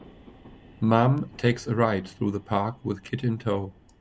Mom takes a ride through the park with kid in tow.